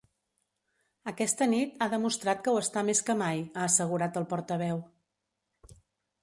Aquesta nit ha demostrat que ho està més que mai, ha assegurat el portaveu.